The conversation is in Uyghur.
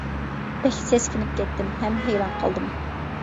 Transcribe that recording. بەك سەسكىنىپ كەتتىم ھەم ھەيران قالدىم.